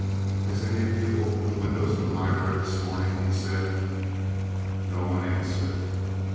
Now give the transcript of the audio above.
"Has any of you opened the windows of the library this morning?" he said. No one answered.